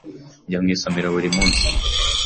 Njya mu isomero buri munsi.